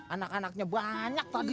anak anaknya banyak tadi